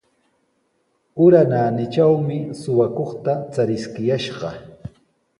Ura naanitrawmi suqakuqta chariskiyashqa.